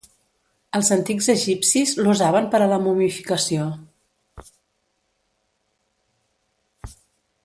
Els antics egipcis l'usaven per a la momificació.